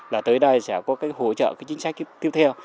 là tới đây sẽ có cái hỗ trợ cái chính sách tiếp theo